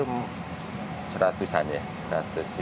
itu seratusan ya